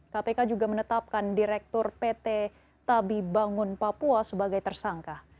kpk juga menetapkan direktur pt tabi bangun papua sebagai tersangka